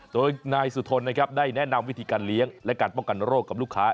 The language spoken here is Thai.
โดยนายสุธนนะครับได้แนะนำวิธีการเลี้ยงและการป้องกันโรคกับลูกค้า